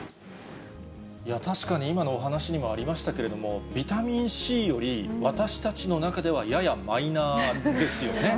いや、確かに今のお話にもありましたけれども、ビタミンＣより、私たちの中ではややマイナーですよね。